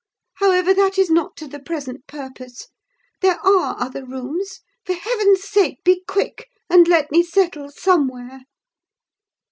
However, that is not to the present purpose—there are other rooms. For heaven's sake be quick, and let me settle somewhere!"